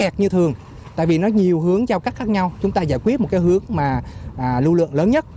chứ thường tại vì nó nhiều hướng giao cắt khác nhau chúng ta giải quyết một cái hướng lưu lượng lớn nhất